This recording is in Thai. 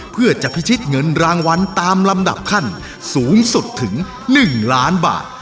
เพื่อจะพิชิตเงินรางวัลตามลำดับขั้นสูงสุดถึง๑ล้านบาท